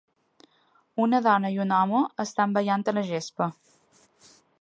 Una dona i un home estan ballant a la gespa.